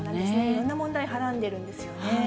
いろんな問題はらんでるんですよね。